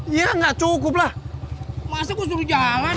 masa gua suruh jalan